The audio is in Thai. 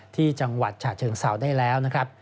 ที่จังหวัดฉะเชิงเซาได้แล้วนะครับ